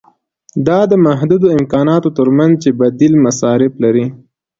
دا د محدودو امکاناتو ترمنځ چې بدیل مصارف لري.